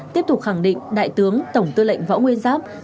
tiếp tục khẳng định đại tướng tổng tư lệnh võ nguyên giáp